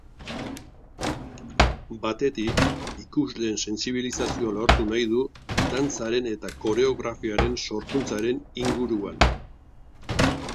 Batetik, ikusleen sentsibilizazioa lortu nahi du dantzaren eta koreografiaren sorkuntzaren inguruan.